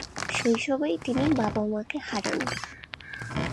শৈশবেই তিনি বাবা-মাকে হারান।